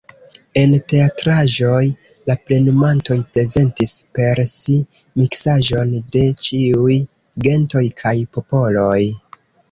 En teatraĵoj la plenumantoj prezentis per si miksaĵon de ĉiuj gentoj kaj popoloj.